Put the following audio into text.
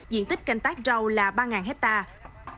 diện tích canh tác rau là ba hectare